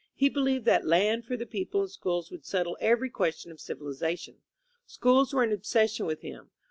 He believed that land for the people and schools would settle every ques tion of civilization. Schools were an obsession with him.